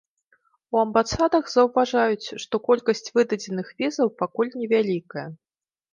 У амбасадах заўважаюць, што колькасць выдадзеных візаў пакуль невялікая.